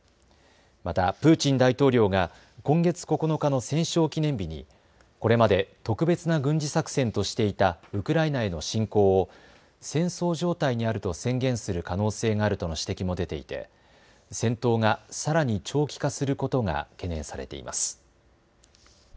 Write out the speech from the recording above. またプーチン大統領が今月９日の戦勝記念日にこれまで特別な軍事作戦としていたウクライナへの侵攻を戦争状態にあると宣言する可能性があるとの指摘も出ていて戦闘がさらに長期化することが懸念されています。